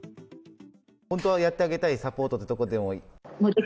本当はやってあげたいサポートととかでも。